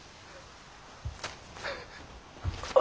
あ。